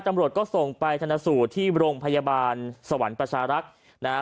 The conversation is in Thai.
ตำรวจก็ส่งไปธนสูตรที่โรงพยาบาลสวรรค์ประชารักษ์นะฮะ